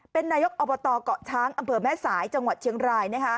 เป็นนายกอบตเกาะช้างอำเภอแม่สายจังหวัดเชียงราย